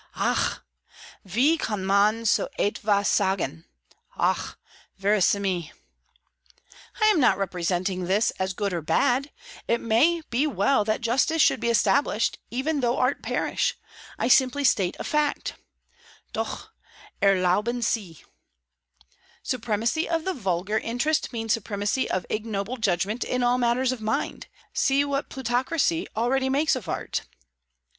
("Ach!" "Wie kann man so etwas sagen!" "Hoch! verissime!") "I am not representing this as either good or bad. It may be well that justice should be established, even though art perish. I simply state a fact!" ("Doch!" "Erlauben Sie!") "Supremacy of the vulgar interest means supremacy of ignoble judgment in all matters of mind. See what plutocracy already makes of art!"